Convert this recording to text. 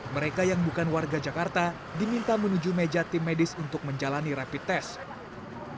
mereka yang bukan warga jakarta diminta menuju meja tim medis untuk menjalani rapid test